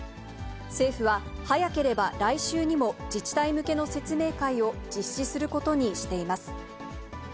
政府は、早ければ来週にも、自治体向けの説明会を実施することにしています。